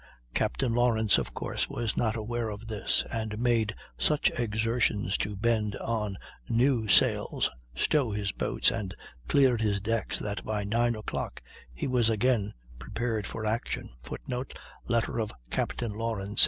Captain Lawrence of course was not aware of this, and made such exertions to bend on new sails, stow his boats, and clear his decks that by nine o'clock he was again prepared for action, [Footnote: Letter of Captain Lawrence.